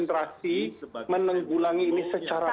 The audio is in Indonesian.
kita harus menggentrasi menanggulangi ini secara baik